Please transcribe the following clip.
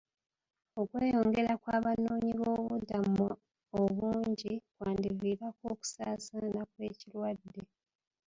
OKweyongera okw'abanoonyi b'obubuddamu obungi kwandivirako okusaasaana kw'ekirwadde.